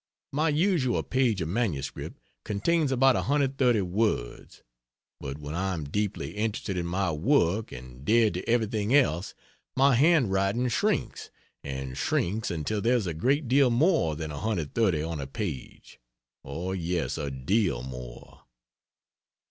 My usual page of MS. contains about 130 words; but when I am deeply interested in my work and dead to everything else, my hand writing shrinks and shrinks until there's a great deal more than 130 on a page oh, yes, a deal more.